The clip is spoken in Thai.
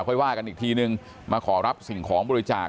ค่อยว่ากันอีกทีนึงมาขอรับสิ่งของบริจาค